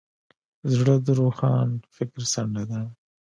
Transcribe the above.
زړه د روښان فکر څنډه ده.